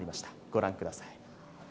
御覧ください。